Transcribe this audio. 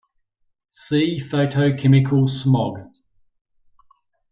See photochemical smog.